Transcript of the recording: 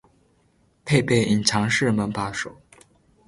配备隐藏式门把手